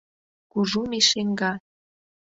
— Кужу Мишиҥга!